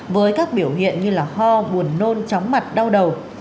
với các biểu hiện như ho buồn nôn chóng mặt đau đầu